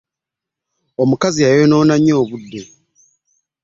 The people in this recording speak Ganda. Ono omukazi ayonoona nnyo obudde.